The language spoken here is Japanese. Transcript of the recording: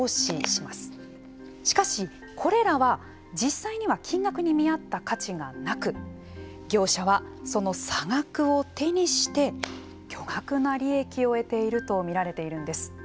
しかし、これらは実際には金額に見合った価値がなく業者は、その差額を手にして巨額な利益を得ていると見られているんです。